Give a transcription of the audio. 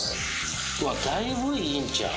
うわだいぶいいんちゃう。